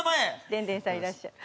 でんでんさんいらっしゃる。